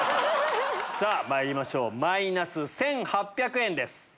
さぁまいりましょうマイナス１８００円です。